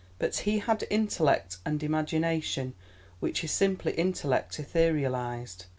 But he had intellect, and imagination which is simply intellect etherealised.